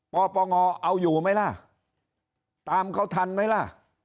ปปงเอาอยู่ไหมล่ะตามเขาทันไหมล่ะ